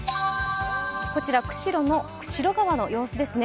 こちら、釧路の釧路川の様子ですね。